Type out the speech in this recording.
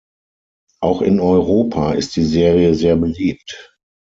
Auch in Europa ist die Serie sehr beliebt.